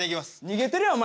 逃げてるやんお前。